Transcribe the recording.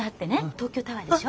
東京タワーでしょ。